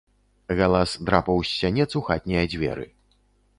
Галас драпаў з сянец у хатнія дзверы.